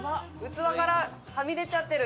器からはみ出ちゃってる！